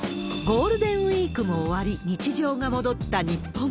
ゴールデンウィークも終わり、日常が戻った日本。